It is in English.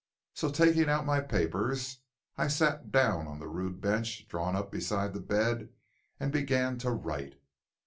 So taking out my papers, I sat down on the rude bench drawn up beside the bed and began to write.